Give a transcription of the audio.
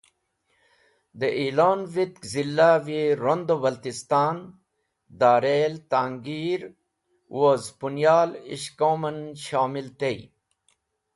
De Elon vitk Zilavi Rondu Baltistan; Darel; Tangir woz Punial-Ishkoman shomil tey.